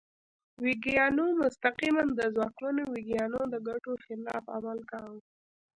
ویګیانو مستقیماً د ځواکمنو ویګیانو د ګټو خلاف عمل کاوه.